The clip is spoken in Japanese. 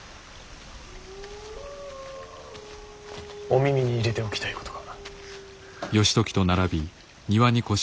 お耳に入れておきたいことが。